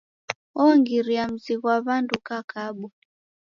Wongiria mzi ghwa W'andu ukakabwa.